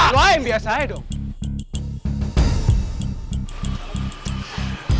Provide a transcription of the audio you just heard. lo yang biasanya dong